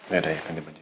ya udah ya ganti baju